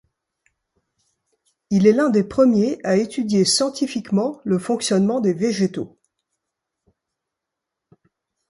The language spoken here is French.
Il est l’un des premiers à étudier scientifiquement le fonctionnement des végétaux.